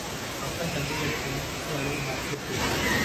மக்கள் தங்களைப் பயிருக்கு அல்லது மரத்திற்கு